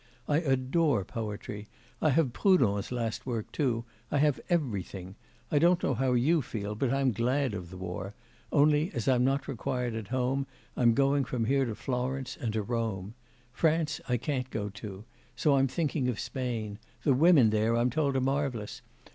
I adore poetry. I have Proudhon's last work, too I have everything. I don't know how you feel, but I'm glad of the war; only as I'm not required at home, I'm going from here to Florence, and to Rome. France I can't go to so I'm thinking of Spain the women there, I'm told, are marvellous!